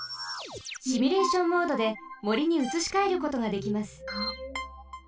シミュレーションモードでもりにうつしかえることができます。